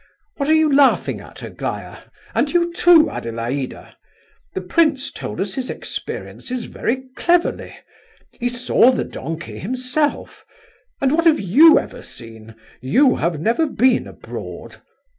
What are you laughing at, Aglaya? and you too, Adelaida? The prince told us his experiences very cleverly; he saw the donkey himself, and what have you ever seen? You have never been abroad."